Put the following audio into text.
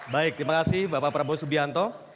baik terima kasih bapak prabowo subianto